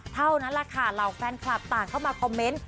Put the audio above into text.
เท่านั้นแหละค่ะเหล่าแฟนคลับต่างเข้ามาคอมเมนต์